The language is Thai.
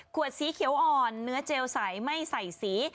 สีเขียวอ่อนเนื้อเจลใสไม่ใส่สี